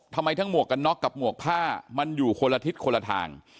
ทั้งหมวกกันน็อกกับหมวกผ้ามันอยู่คนละทิศคนละทาง